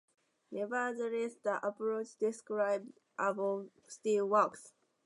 Nevertheless, the approach described above still works.